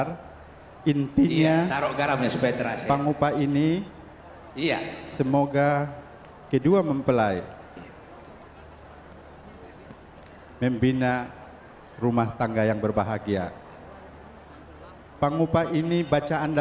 tentang prosesi ini saya ingin mengucapkan kepada anda